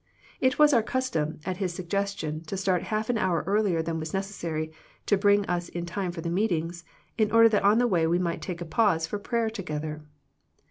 It was our custom, at his suggestion, to start half an hour earlier than was necessary to bring us in time for the meetings in order that on the way we might make a pause for prayer together.